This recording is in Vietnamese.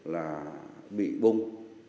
là bị bùng